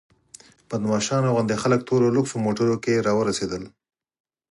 بدماشانو غوندې خلک تورو لوکسو موټرو کې راورسېدل.